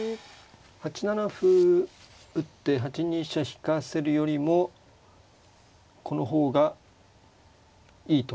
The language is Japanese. ８七歩打って８二飛車引かせるよりもこの方がいいと。